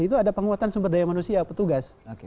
itu ada penguatan sumber daya manusia petugas